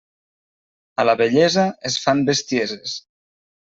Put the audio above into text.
A la vellesa es fan bestieses.